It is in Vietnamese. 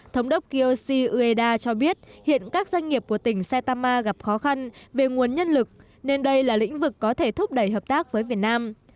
thống đốc kiyoshi ueda cho biết hiện các doanh nghiệp của tỉnh saitama gặp khó khăn về nguồn nhân lực nên đây là lĩnh vực có thể thúc đẩy hợp tác với việt nam